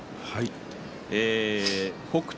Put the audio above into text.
北勝